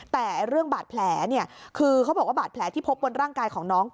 แต่เรื่องบาดแผลเนี่ยคือเขาบอกว่าบาดแผลที่พบบนร่างกายของน้อง